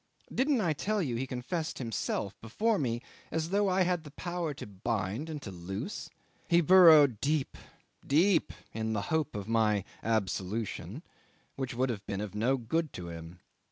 Didn't I tell you he confessed himself before me as though I had the power to bind and to loose? He burrowed deep, deep, in the hope of my absolution, which would have been of no good to him.